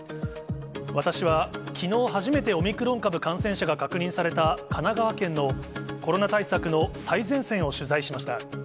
私は、きのう初めてオミクロン株感染者が確認された、神奈川県のコロナ対策の最前線を取材しました。